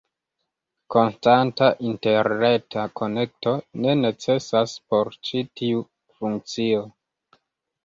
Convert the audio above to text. Konstanta interreta konekto ne necesas por ĉi tiu funkcio.